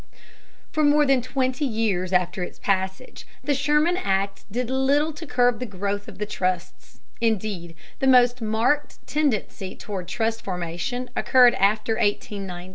For more than twenty years after its passage, the Sherman Act did little to curb the growth of the trusts, indeed, the most marked tendency toward trust formation occurred after 1890.